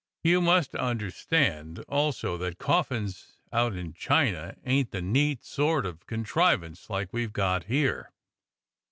You must understand also that coffins out in China ain't the neat sort of contrivance like we've got here.